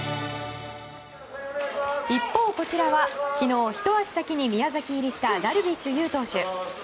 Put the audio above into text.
一方こちらは昨日、ひと足先に宮崎入りしたダルビッシュ有投手。